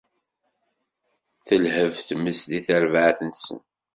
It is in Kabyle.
Telheb tmes di terbaɛt-nsen.